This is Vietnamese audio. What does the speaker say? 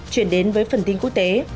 chuyển đến với phần tin quốc tế